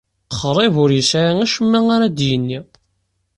Qrib ur yesɛi acemma ara d-yini.